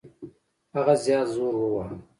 هغه زیات زور وواهه.